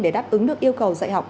để đáp ứng được yêu cầu dạy học